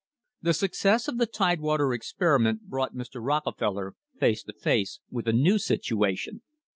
The success of the Tidewater experiment brought Mr. Rockefeller face to face with a new situation.